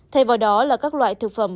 thay vào đó là các loại thực phẩm